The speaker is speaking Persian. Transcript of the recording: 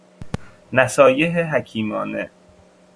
نصایح حکیمانه